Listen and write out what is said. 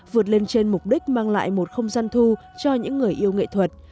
vượt lên trên mục đích mang lại một không gian thu cho những người yêu nghệ thuật